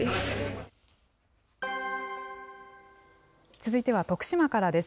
続いては徳島からです。